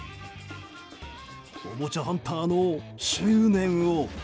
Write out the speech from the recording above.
おもちゃハンターの執念を！